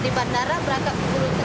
ada di bandara berangkat sepuluh tiga puluh